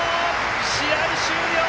試合終了。